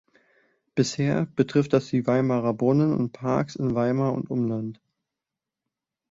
Bisher betrifft das die Weimarer Brunnen und Parks in Weimar und Umland.